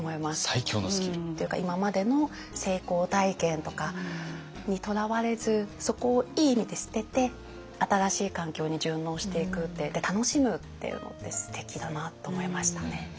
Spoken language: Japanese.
今までの成功体験とかにとらわれずそこをいい意味で捨てて新しい環境に順応していくって楽しむっていうのってすてきだなと思いましたね。